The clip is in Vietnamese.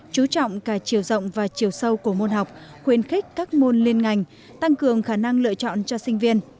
chú trọng cả chiều rộng và chiều sâu của môn học khuyến khích các môn liên ngành tăng cường khả năng lựa chọn cho sinh viên